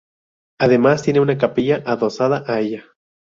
Además, tiene una capilla adosada a ella.